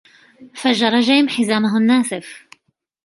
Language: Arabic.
فجّر جيم حزامه النّاسف.